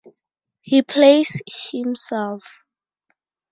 He plays himself.